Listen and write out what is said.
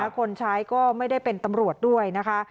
คนใช้ก็ไม่ได้เป็นตำรวจด้วยนะคะ